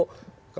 kalau orang pukul